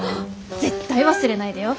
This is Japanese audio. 絶対忘れないでよ。